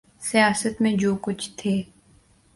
سیاست میں جو کچھ تھے۔